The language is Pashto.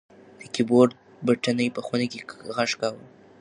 د کیبورډ بټنې په خونه کې غږ کاوه.